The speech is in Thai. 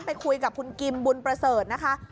ไปคุยกับคุณกิมบุญประเสริฐนะคะ